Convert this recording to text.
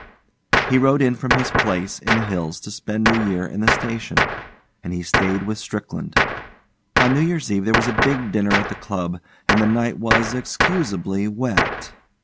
He rode in from his place in the hills to spend New Year in the station, and he stayed with Strickland. On New Year's Eve there was a big dinner at the club, and the night was excusably wet.